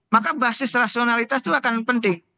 maka basis rasionalitas itu akan penting